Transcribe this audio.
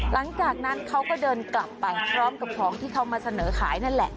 หลังจากนั้นเขาก็เดินกลับไปพร้อมกับของที่เขามาเสนอขายนั่นแหละ